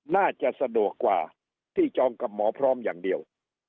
น่าจะสะดวกกว่าที่จองกับหมอพร้อมอย่างเดียว